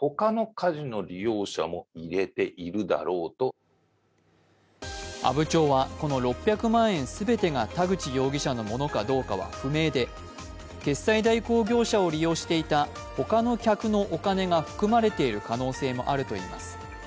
専門家は阿武町は、この６００万円全てが田口容疑者のものかどうかは不明で決済代行業者を利用していた他の客のお金が含まれている可能性もあるといいます。